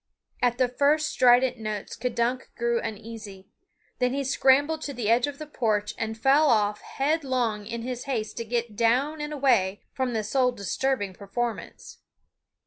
At the first strident notes K'dunk grew uneasy. Then he scrambled to the edge of the porch and fell off headlong in his haste to get down and away from the soul disturbing performance.